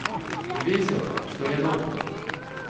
Весело, что я дома.